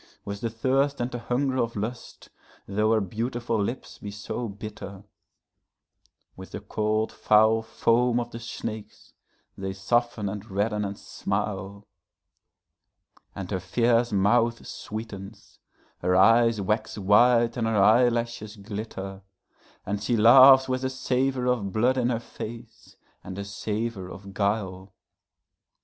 With the thirst and the hunger of lust though her beautiful lips be so bitter, With the cold foul foam of the snakes they soften and redden and smile; And her fierce mouth sweetens, her eyes wax wide and her eyelashes glitter, And she laughs with a savor of blood in her face, and a savor of guile.